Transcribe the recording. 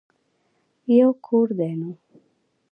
يو کور دی نو.